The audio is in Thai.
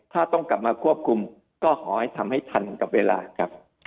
ถ้าต้องกลับมาควบคุมก็ขอให้ทำให้ทันกับเวลาครับ